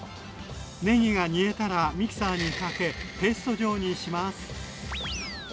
ねぎが煮えたらミキサーにかけペースト状にします。